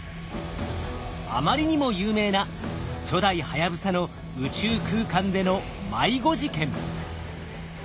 あまりにも有名な初代はやぶさの宇宙空間での迷子事件。